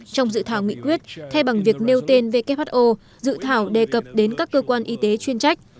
trong dự thảo nghị quyết thay bằng việc nêu tên who dự thảo đề cập đến các cơ quan y tế chuyên trách